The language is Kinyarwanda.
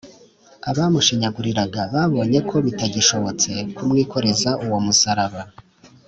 abamushinyaguriraga babonye ko bitagishobotse kumwikoreza uwo musaraba